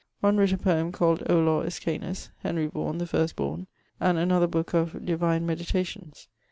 One writt a poeme called Olor Iscanus (Henry Vaughan, the first borne), and another booke of Divine Meditations.